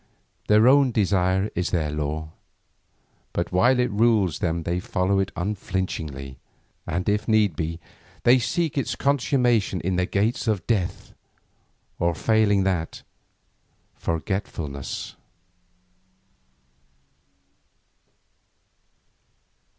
Their own desire is their law, but while it rules them they follow it unflinchingly, and if need be, they seek its consummation in the gates of death, or failing that, forgetfulness.